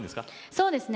そうですね。